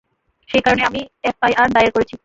সেই কারণেই আমি এফআইআর দায়ের করেছি।